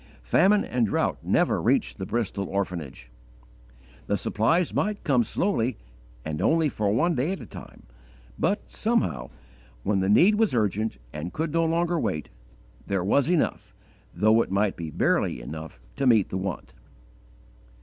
Famine and drought never reached the Bristol orphanage: the supplies might come slowly and only for one day at a time, but somehow, when the need was urgent and could no longer wait, there was enough though it might be barely enough to meet the want.